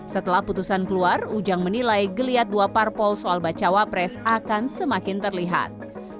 setelah putusan keluar ujang menilai geliat dua parpol soal bacawa pres akan semakin terlihat